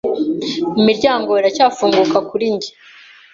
Imiryango iracyafunguka kuri njye